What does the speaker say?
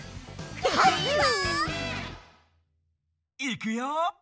いくよ！